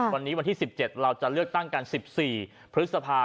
วันนี้วันที่๑๗เราจะเลือกตั้งกัน๑๔พฤษภา